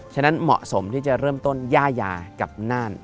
ฉะนั้นเหมาะสมที่จะเริ่มต้นย่ายากับน่าน